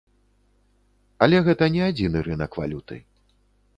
Але гэта не адзіны рынак валюты.